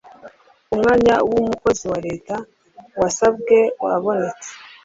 umwanya w umukozi wa leta wasabye wabonetse